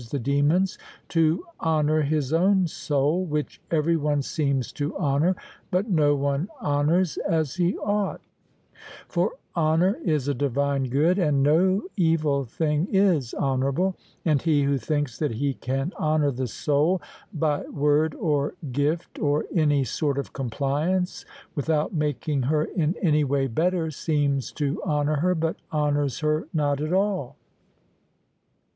the demons), to honour his own soul, which every one seems to honour, but no one honours as he ought; for honour is a divine good, and no evil thing is honourable; and he who thinks that he can honour the soul by word or gift, or any sort of compliance, without making her in any way better, seems to honour her, but honours her not at all.